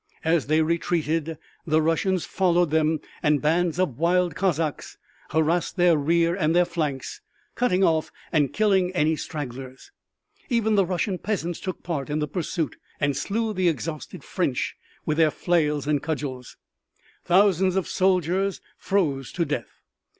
As they retreated the Russians followed them and bands of wild Cossacks harassed their rear and their flanks, cutting off and killing any stragglers. Even the Russian peasants took part in the pursuit, and slew the exhausted French with their flails and cudgels. Thousands of soldiers froze to death.